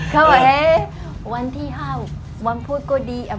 เขาบอกวันที่ห้าวันพุธก็ดี